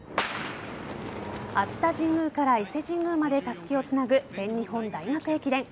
熱田神宮から伊勢神宮までたすきをつなぐ全日本大学駅伝。